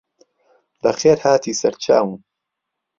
بەخێرهاتی سەرچاوم